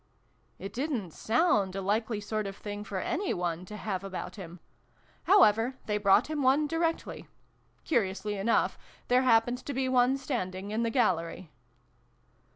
" It didn't sound a likely sort of thing for any one to have about him ; however, they brought him one directly : curiously enough, there hap pened to be one standing in the gallery.